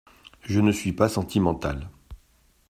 Je ne suis pas sentimental.